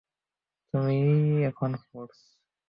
তুমি-ই এখন ফোর্স!